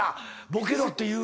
ボケろっていう。